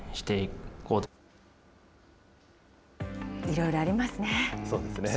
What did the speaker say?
いろいろありますね。